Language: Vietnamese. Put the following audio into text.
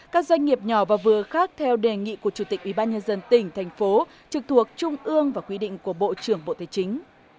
các doanh nghiệp nhỏ và vừa khác theo đề nghị của chủ tịch ubnd tỉnh thành phố trực thuộc trung ương và quy định của bộ trưởng bộ tài chính